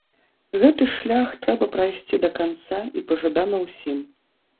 Гэты шлях трэба прайсці да канца і пажадана ўсім.